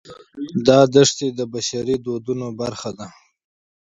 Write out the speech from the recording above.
دا دښتې د بشري فرهنګ برخه ده.